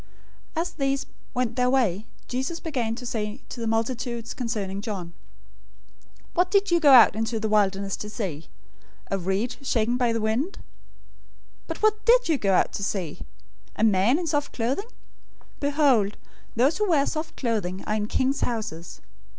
011:007 As these went their way, Jesus began to say to the multitudes concerning John, "What did you go out into the wilderness to see? A reed shaken by the wind? 011:008 But what did you go out to see? A man in soft clothing? Behold, those who wear soft clothing are in king's houses.